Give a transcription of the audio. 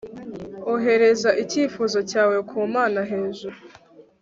Ohereza icyifuzo cyawe ku Mana hejuru